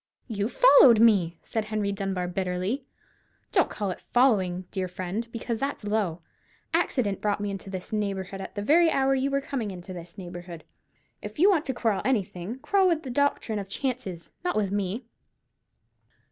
"You followed me," said Henry Dunbar, bitterly. "Don't call it following, dear friend, because that's low. Accident brought me into this neighbourhood at the very hour you were coming into this neighbourhood. If you want to quarrel with anything, quarrel with the doctrine of chances, not with me."